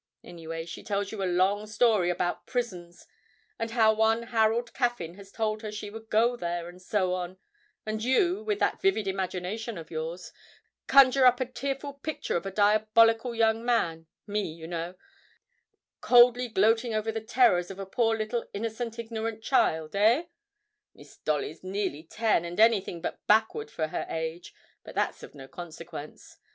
Anyway, she tells you a long story about prisons, and how one Harold Caffyn had told her she would go there, and so on, and you, with that vivid imagination of yours, conjure up a tearful picture of a diabolical young man (me, you know) coldly gloating over the terrors of a poor little innocent ignorant child, eh? (Miss Dolly's nearly ten, and anything but backward for her age; but that's of no consequence.)